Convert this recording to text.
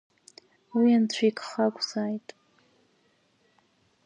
Уи Анцәа игха акәзааит…